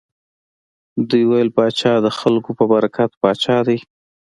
دوی ویل پاچا د خلکو په برکت پاچا دی.